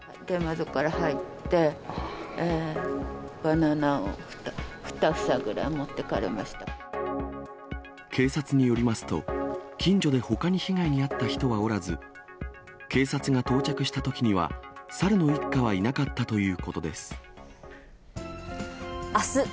天窓から入って、バナナを２警察によりますと、近所で他に被害に遭った人はおらず、警察が到着したときには、猿の一家はいなかったということです。